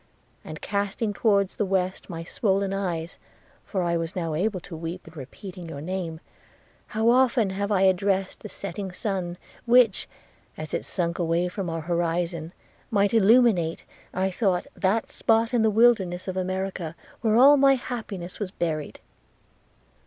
and, casting towards the west my swollen eyes (for I was now able to weep in repeating your name), how often have I addressed the setting sun, which, as it sunk away from our horizon, might illuminate, I thought, that spot in the wilderness of America where all my happiness was buried!'